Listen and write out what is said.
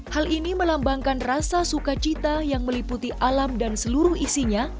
hal ini melambangkan rasa sukacita yang meliputi alam dan seluruh isinya